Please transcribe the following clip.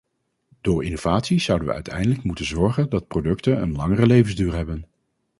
Door innovatie zouden we uiteindelijk moeten zorgen dat producten een langere levensduur hebben.